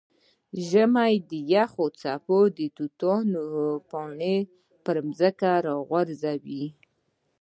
د ژمي یخې څپې د توتانو پاڼې پر ځمکه راغورځوي.